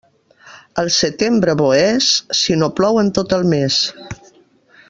El setembre bo és, si no plou en tot el mes.